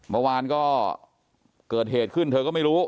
เมื่อวานก็เกิดเหตุขึ้นเธอก็ไม่รู้